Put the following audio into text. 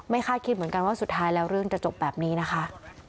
คาดคิดเหมือนกันว่าสุดท้ายแล้วเรื่องจะจบแบบนี้นะคะ